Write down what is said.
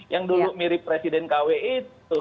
yang dulu mirip presiden kw itu